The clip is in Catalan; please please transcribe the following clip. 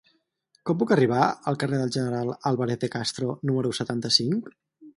Com puc arribar al carrer del General Álvarez de Castro número setanta-cinc?